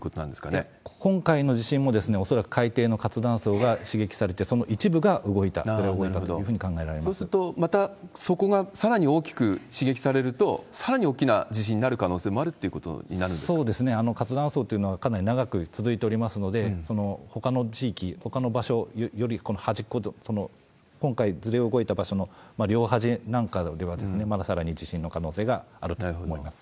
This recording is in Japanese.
いや、今回の地震も、恐らく海底の活断層が刺激されて、その一部が動いた、ずれ動いたというふうにそうするとまた、そこがさらに大きく刺激されると、さらに大きな地震になる可能性もあるっていうことになるんですかそうですね、活断層というのはかなり長く続いておりますので、ほかの地域、ほかの場所より、この端っこ、今回ずれ動いた場所の両端なんかでは、まださらに地震の可能性があると思います。